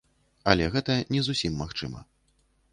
Але гэта не зусім магчыма.